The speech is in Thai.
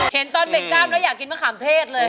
เห็นตอนเบรกกล้ามแล้วอยากกินมะขามเทศเลย